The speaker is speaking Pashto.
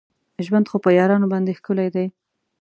ژوند خو په یارانو باندې ښکلی دی.